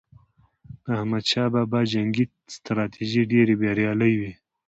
د احمد شاه بابا جنګي ستراتیژۍ ډېرې بریالي وي.